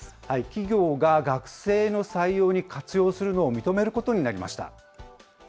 企業が学生の採用に活用するのを認めることになりました。